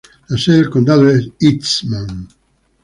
La sede de condado es Eastman.